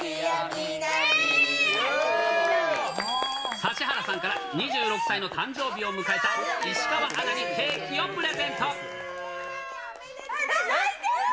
指原さんから、２６歳の誕生日を迎えた石川アナにケーキをプレゼ泣いてる？